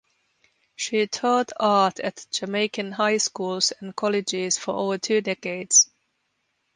She taught art at Jamaican high schools and colleges for over two decades.